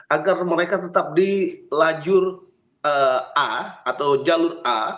agar mereka tetap di lajur a atau jalur a